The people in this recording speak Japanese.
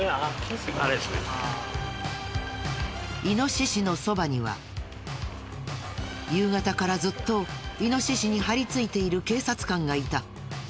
イノシシのそばには夕方からずっとイノシシに張りついている警察官がいた。